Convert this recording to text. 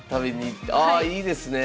ああいいですねえ。